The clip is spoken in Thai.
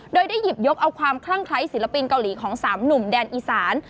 โดยได้หยิบยกเอาความคลั่งคล้ายศิลปินเกาหลีของ๓หนุ่มแดนอีสาน